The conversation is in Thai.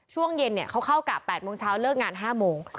ช่วงเย็นเขาเข้ากะ๘โมงเช้าเลิกงาน๕โมง